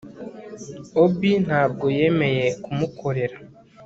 obi ntabwo yemeye kumukorera